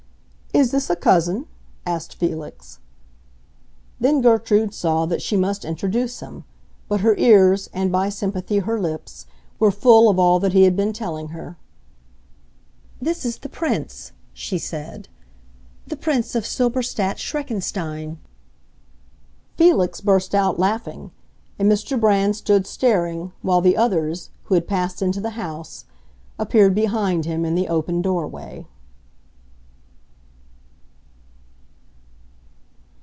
"Is this a cousin?" asked Felix. Then Gertrude saw that she must introduce him; but her ears, and, by sympathy, her lips, were full of all that he had been telling her. "This is the Prince," she said, "the Prince of Silberstadt Schreckenstein!" Felix burst out laughing, and Mr. Brand stood staring, while the others, who had passed into the house, appeared behind him in the open doorway.